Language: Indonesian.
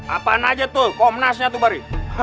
apaan aja tuh komnasnya tuh bari